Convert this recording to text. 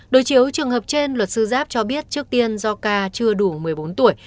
đối chiếu trường hợp trên luật sư giáp cho biết trước tiên do ca chưa đủ một mươi bốn tuổi